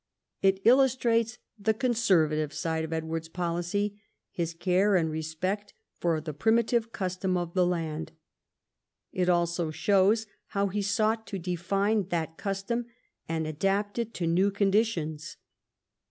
It illustrates the conservative side of Edward's policy, his care and respect for the primi tive custom of the land. It also shows how he sought to define that custom and adapt it to new conditions.